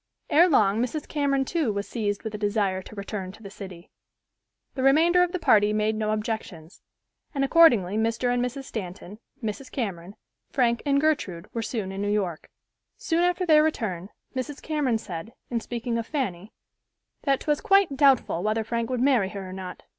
Ere long Mrs. Cameron too was seized with a desire to return to the city. The remainder of the party made no objections, and accordingly Mr. and Mrs. Stanton, Mrs. Cameron, Frank and Gertrude were soon in New York. Soon after their return, Mrs. Cameron said, in speaking of Fanny, "that 'twas quite doubtful whether Frank would marry her or not.